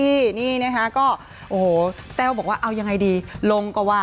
นี่มีนะฮะโอ้โหเต้วบอกว่าได้ยังไงดีลงกอ่วะ